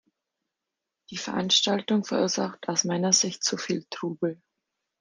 Die Veranstaltung verursacht aus meiner Sicht zu viel Trubel.